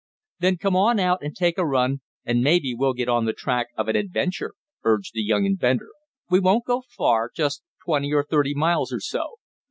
"Then come on out and take a run, and maybe we'll get on the track of an adventure," urged the young inventor. "We won't go far, just twenty or thirty miles or so."